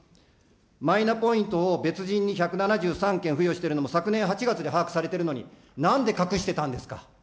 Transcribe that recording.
マイナポイントを別人に１７３件付与してるのも昨年８月に把握されてるのに、なんで隠してたんですか。